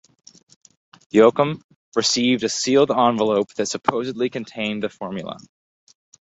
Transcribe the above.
Yoakum received a sealed envelope that supposedly contained the formula.